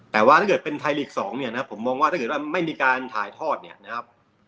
แต่ว่าถ้าเกิดเป็นไทยลีก๒เนี่ยนะผมมองว่าถ้าเกิดว่าไม่มีการถ่ายทอดเนี่ยนะครับ